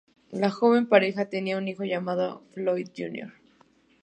La joven pareja tenía un hijo llamado Floyd Jr.